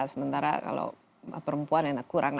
sementara kalau perempuan kurang